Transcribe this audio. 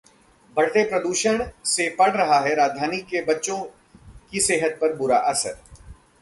बढ़ते प्रदूषण से पड़ रहा है राजधानी के बच्चों की सेहत पर बुरा असर